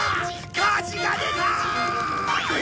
火事が出た！